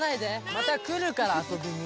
またくるからあそびに。